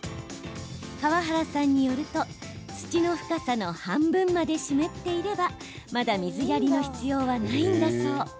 川原さんによると土の深さの半分まで湿っていればまだ水やりの必要はないんだそう。